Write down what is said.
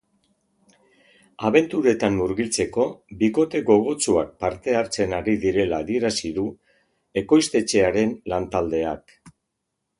Abenturetan murgiltzeko bikote gogotsuak parte hartzen ari direla adierazi du ekoiztetxearen lan-taldeak.